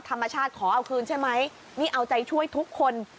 ธรรมชาติขอเอาคืนใช่ไหมนี่เอาใจช่วยทุกคน